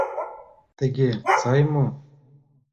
Тыге сай мо?